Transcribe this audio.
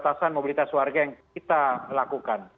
ini adalah kebatasan mobilitas warga yang kita lakukan